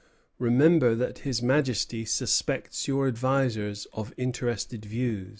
Remember that His Majesty suspects your advisers of interested views."